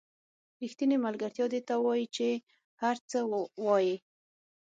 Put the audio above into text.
ریښتینې ملګرتیا دې ته وایي چې هر څه وایئ.